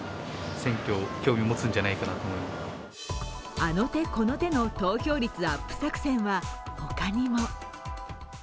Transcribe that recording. あの手この手の投票率アップ作戦は、他にも。